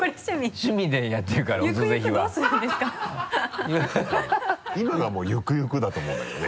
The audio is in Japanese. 趣味でやってるから「オドぜひ」はゆくゆくどうするんですか今がもう「ゆくゆく」だと思うんだけどね。